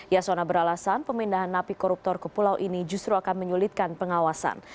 yasona beralasan pemindahan napi koruptor ke pulau ini justru akan menyulitkan pengawasan